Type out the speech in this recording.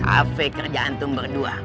afek kerja antum berdua